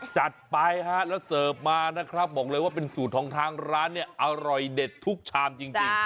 จัดไปฮะแล้วเสิร์ฟมานะครับบอกเลยว่าเป็นสูตรของทางร้านเนี่ยอร่อยเด็ดทุกชามจริง